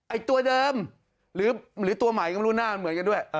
ตัวเดิมหรือตัวใหม่ก็ไม่รู้หน้าเหมือนกันด้วย